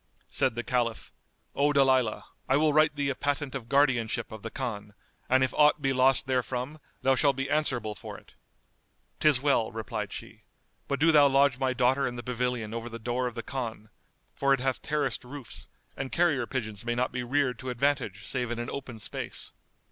Said the Caliph, "O Dalilah, I will write thee a patent of guardianship of the Khan, and if aught be lost therefrom, thou shalt be answerable for it." "'Tis well," replied she; "but do thou lodge my daughter in the pavilion over the door of the Khan, for it hath terraced roofs, and carrier pigeons may not be reared to advantage save in an open space."